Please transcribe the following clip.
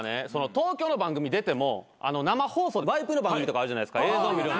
東京の番組出ても生放送でワイプの番組とかあるじゃないですか映像見る。